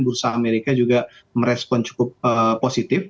bursa amerika juga merespon cukup positif